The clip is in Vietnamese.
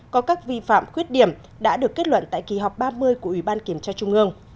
có các vi phạm khuyết điểm đã được kết luận tại kỳ họp ba mươi của ủy ban kiểm tra trung ương